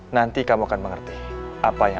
nanti kamu akan mengerti apa yang